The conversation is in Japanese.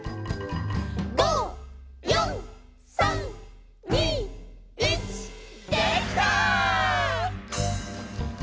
「５、４、３、２、１」「できた」